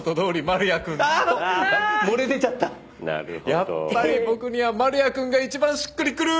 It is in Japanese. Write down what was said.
やっぱり僕には丸谷くんが一番しっくりくる！